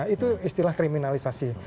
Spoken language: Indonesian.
itu istilah kriminalisasi